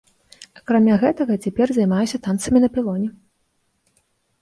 Акрамя гэтага цяпер займаюся танцамі на пілоне.